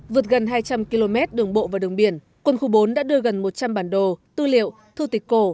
vượt gần hai trăm linh km đường bộ và đường biển quân khu bốn đã đưa gần một trăm linh bản đồ tư liệu thư tịch cổ